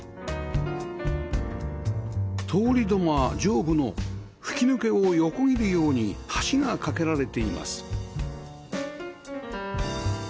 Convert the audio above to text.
通り土間上部の吹き抜けを横切るように橋がかけられています